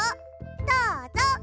どうぞ。